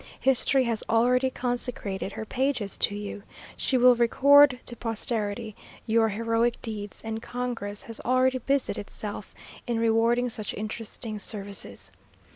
History has already consecrated her pages to you: she will record to posterity your heroic deeds, and congress has already busied itself in rewarding such interesting services.